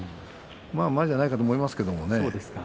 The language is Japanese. まあまあじゃないかと思いますけどね。